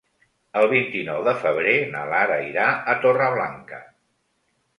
El vint-i-nou de febrer na Lara irà a Torreblanca.